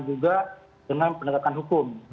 juga dengan pendekatan hukum